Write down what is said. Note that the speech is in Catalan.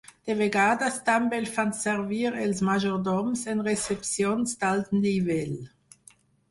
De vegades també el fan servir els majordoms en recepcions d'alt nivell.